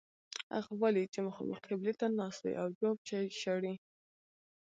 هغه ولید چې مخامخ قبلې ته ناست دی او جواب چای شړي.